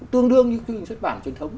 tương đương như quy trình xuất bản truyền thống